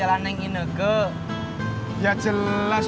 iya ini lo kebetulan